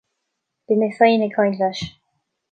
Bhí mé féin ag caint leis